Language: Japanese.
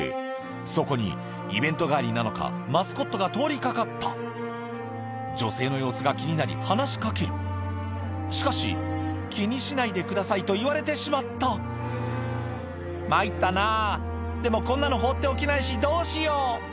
そこにイベント帰りなのかマスコットが通りかかった女性の様子が気になり話しかけるしかし「気にしないでください」と言われてしまった「参ったなでもこんなの放っておけないしどうしよう」